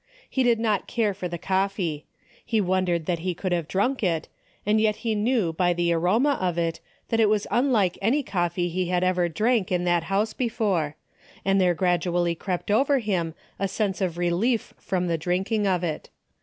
He did not care for the coffee ; he wondered that he could have drunk it, and yet he knew by the aroma of it that it was unlike any coffee he had ever drank in that house before, and there gradually crept over him a sense of relief from the drinking of it.